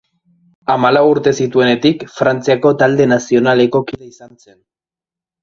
Hamalau urte zituenetik, Frantziako talde nazionaleko kide izan zen.